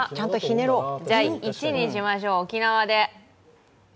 じゃ、１にしましょう、沖縄で。